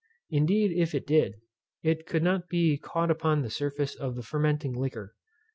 Indeed if it did, it could not be caught upon the surface of the fermenting liquor.